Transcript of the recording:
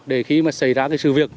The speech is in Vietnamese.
để khi xảy ra sự việc